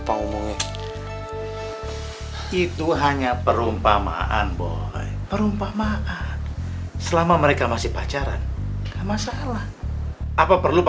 kamu ternyata hanya mengharapkan harta dan kekayaanmu